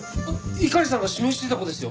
猪狩さんが指名してた子ですよ！